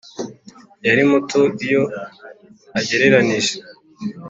yari muto iyo ugereranije